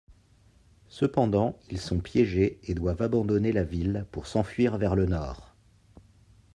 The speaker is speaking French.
Cependant, ils sont piégés et doivent abandonner la ville pour s’enfuir vers le nord.